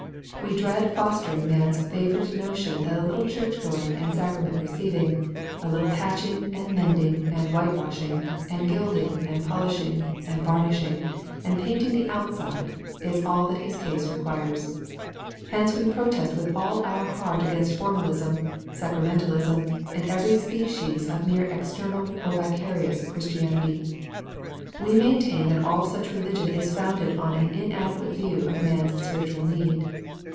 We dread fostering man s favourite notion that a little church going and sacrament receiv ing, a little patching, and mending, and whitewashing, and gilding, and polishing, and varnishing, and painting the out side, is all that his case requires. Hence we protest with all our heart against formalism, sacramentalism, and every species of mere external or vicarious Christianity. We maintain that all such religion is founded on an inadequate view of man s spiritual need.